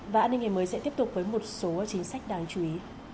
và an ninh ngày mới sẽ tiếp tục với một số chính sách đáng chú ý